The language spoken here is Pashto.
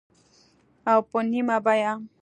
او په نیمه بیه